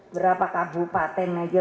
berapa kabupaten aja